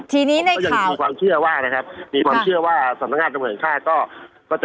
ยังมีความเชื่อว่านะครับ